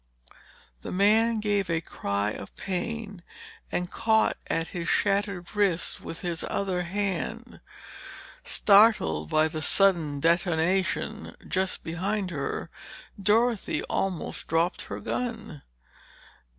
_" The man gave a cry of pain and caught at his shattered wrist with his other hand. Startled by the sudden detonation just behind her, Dorothy almost dropped her gun.